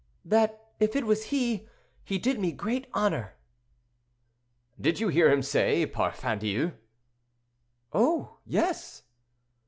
"That if it was he, he did me great honor." "Did you hear him say 'parfandious'?" "Oh! yes."